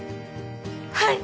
はい！